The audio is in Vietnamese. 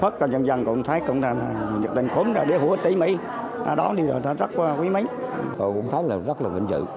tôi cũng thấy là rất là vĩnh vực